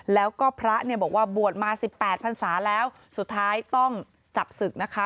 แล้วก็พระเนี่ยบอกว่าบวชมา๑๘พันศาแล้วสุดท้ายต้องจับศึกนะคะ